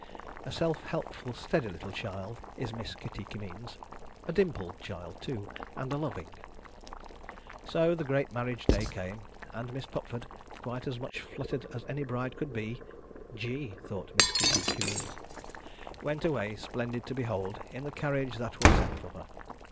A self helpful steady little child is Miss Kitty Kimmeens: a dimpled child too, and a loving. So, the great marriage day came, and Miss Pupford, quite as much fluttered as any bride could be (G! thought Miss Kitty Kimmeens), went away, splendid to behold, in the carriage that was sent for her.